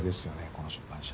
この出版社。